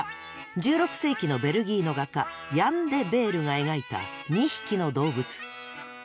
１６世紀のベルギーの画家ヤン・デ・ベールが描いた２匹の動物。